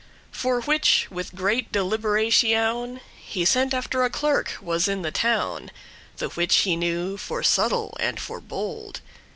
For which, with great deliberatioun, He sent after a clerk <6> was in the town, The which he knew for subtle and for bold.